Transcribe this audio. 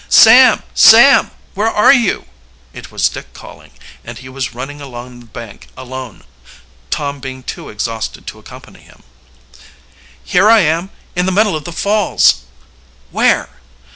"Sam! Sam! Where are you?" It was Dick calling, and he was running along the bank alone, Tom being too exhausted to accompany him. "Here I am in the middle of the falls!" "Where?"